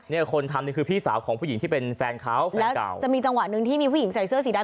คนทำนี่คือพี่สาวของผู้หญิงที่เป็นแฟนเขาแล้วจะมีจังหวะหนึ่งที่มีผู้หญิงใส่เสื้อสีดำ